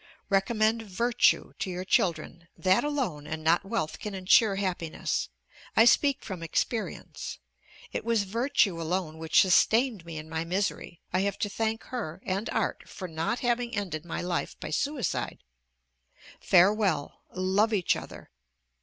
Recommend Virtue to your children; that alone, and not wealth, can insure happiness. I speak from experience. It was Virtue alone which sustained me in my misery; I have to thank her and Art for not having ended my life by suicide. Farewell! Love each other.